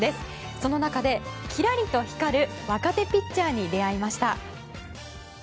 その中で、きらりと光る若手ピッチャーに出会いました。